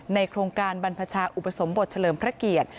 โครงการบรรพชาอุปสมบทเฉลิมพระเกียรติ